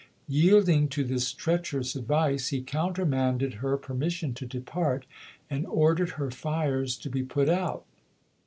Yielding to this treacherous advice, he countermanded her permission to depart and ordered her fires to be put out.